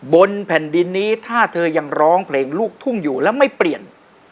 บนแผ่นดินนี้ถ้าเธอยังร้องเพลงลูกทุ่งอยู่แล้วไม่เปลี่ยน